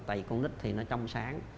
tại vì con nít thì nó trong sáng